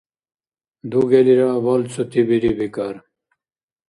Дугелира балцути бири, бикӀар?